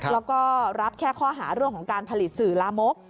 แล้วก็รับแค่ข้อหาเรื่องของการผลิตสื่อลามก